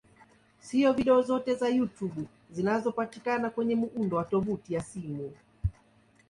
Si video zote za YouTube zinazopatikana kwenye muundo wa tovuti ya simu.